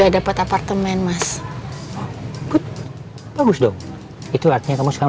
gak paham aku lagi sibuk kayak gini